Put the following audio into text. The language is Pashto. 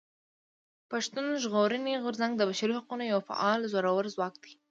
پښتون ژغورني غورځنګ د بشري حقونو يو فعال زورور ځواک دی.